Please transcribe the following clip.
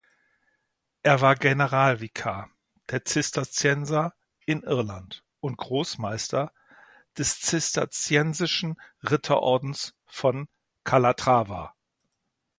Er war Generalvikar der Zisterzienser in Irland und Großmeister des zisterziensischen Ritterordens von Calatrava.